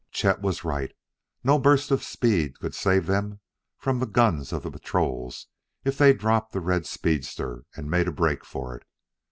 Chet was right; no burst of speed could save them from the guns of the patrols if they dropped the red speedster and made a break for it.